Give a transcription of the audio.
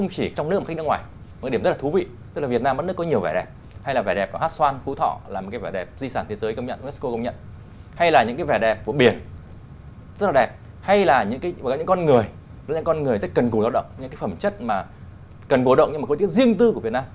cần củ lao động nhưng mà có những cái riêng tư của việt nam